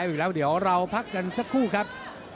สวัสดีครับ